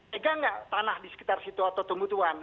tidak nggak tanah di sekitar situ atau tembutuan